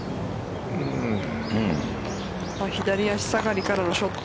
左足下がりからのショット。